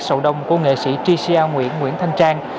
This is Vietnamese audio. sầu đông của nghệ sĩ t c a nguyễn nguyễn thanh trang